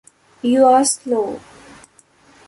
You are slow!